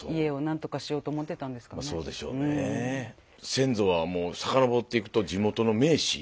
先祖はもう遡っていくと地元の名士。